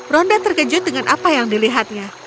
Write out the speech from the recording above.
ronda terkejut dengan apa yang dilihatnya